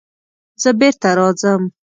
زه بېرته راځم.